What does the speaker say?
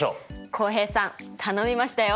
浩平さん頼みましたよ！